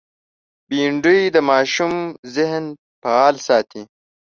بېنډۍ د ماشوم ذهن فعال ساتي